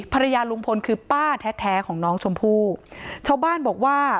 ภรรยาลุงพลคือป้าแท้แท้ของน้องชมพู่ชาวบ้านบอกว่า